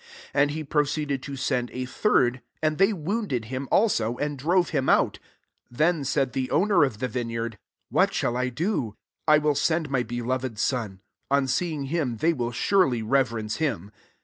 12 And he proceeded to send a third : and they wounded him also, and drove him out. 13 Then said the owner of the vineyard, « What shall I do ? I will send my beloved son ; \on Beeing himX they Will surely reverence him.